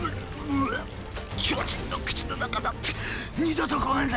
巨人の口の中なんて二度とごめんだ。